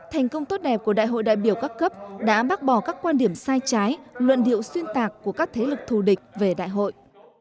thành công tốt đẹp của đại hội đại biểu các cấp đã bác bỏ các quan điểm sai trái luận điệu xuyên tạc của các thế lực thù địch về đại hội